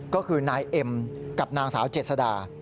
ก็คือนายเอ็มกับนางสาวเจษดา